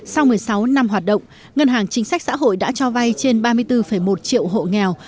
sau một mươi sáu năm hoạt động ngân hàng chính sách xã hội đã cho vay trên ba mươi bốn một triệu hộ nghèo